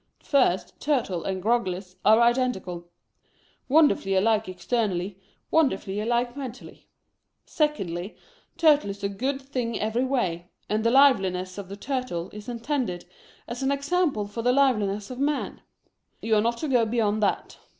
First, Turtle and Groggles are identical ; wonderfully alike externally, wonderfully alike mentally. Secondly, Turtle is a good thing every way, and the liveliness of the Turtle is intended as an example for the liveliness of man ; you are not to go beyond that.